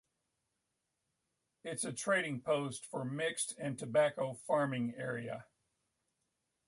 It is a trading post for mixed and tobacco farming area.